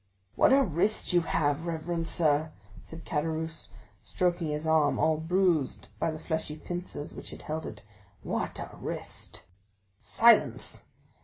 "What a wrist you have, reverend sir!" said Caderousse, stroking his arm, all bruised by the fleshy pincers which had held it; "what a wrist!" "Silence!